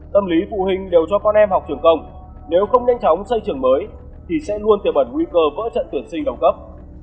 tâm lý phụ huynh đều cho con em học trường công nếu không nhanh chóng xây trường mới thì sẽ luôn tiềm ẩn nguy cơ vỡ trận tuyển sinh đầu cấp